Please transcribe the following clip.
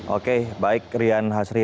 oke baik rian hasri